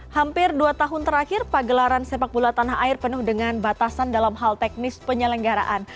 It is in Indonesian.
hampir dua tahun terakhir pagelaran sepak bola tanah air penuh dengan batasan dalam hal teknis penyelenggaraan